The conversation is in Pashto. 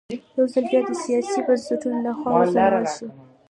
یوځل بیا د سیاسي بنسټونو له خوا وځپل شول.